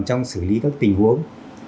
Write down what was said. trong xử lý các tình huống